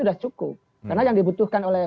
sudah cukup karena yang dibutuhkan oleh